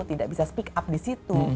tidak bisa speak up di situ